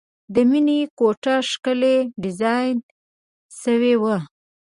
د مینې کوټه ښکلې ډیزاین شوې وه